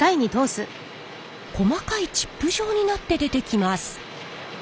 細かいチップ状になって出てきます。